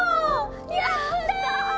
やった！